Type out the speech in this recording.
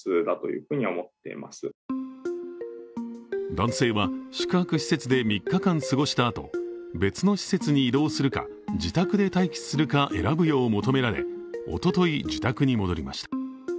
男性は宿泊施設で３日間過ごしたあと、別の施設に移動するか、自宅で待機するか選ぶよう求められ、おととい、自宅に戻りました。